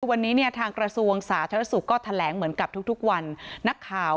วันนี้เนี่ยทางกระทรวงสาธารณสุขก็แถลงเหมือนกับทุกทุกวันนักข่าว